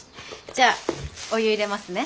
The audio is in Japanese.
じゃあお湯入れますね。